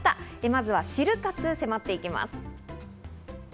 まずはシル活に迫っていきます。